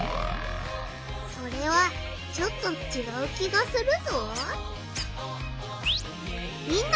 それはちょっとちがう気がするぞ。